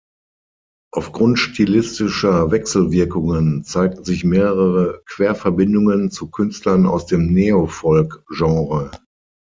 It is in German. Aufgrund stilistischer Wechselwirkungen zeigten sich mehrere Querverbindungen zu Künstlern aus dem Neofolk-Genre.